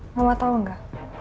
mama tahu gak